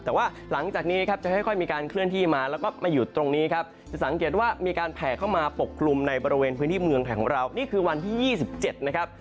แต่ว่าหลังจากนี้ครับจะค่อยมีการเคลื่อนที่มาแล้วก็มาหยุดตรงนี้ครับจะสังเกตว่ามีการแผ่เข้ามาปกคลุมในบริเวณพื้นที่เมืองไทยของเรานี่คือวันที่๒๗นะครับ